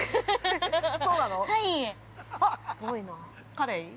◆カレイ？